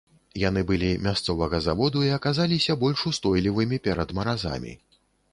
Яны былі мясцовага заводу і аказаліся больш устойлівымі перад маразамі.